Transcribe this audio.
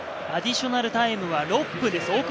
アディショナルタイムは６分です。